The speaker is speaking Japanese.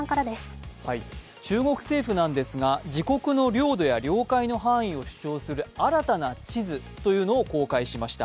中国政府なんですが自国の領土や領海の範囲を主張する新たな地図というのを公開しました。